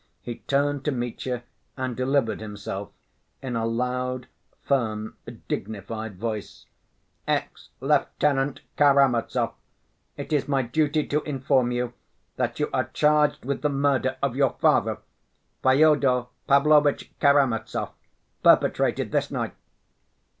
He turned to Mitya, and delivered himself in a loud, firm, dignified voice: "Ex‐Lieutenant Karamazov, it is my duty to inform you that you are charged with the murder of your father, Fyodor Pavlovitch Karamazov, perpetrated this night...."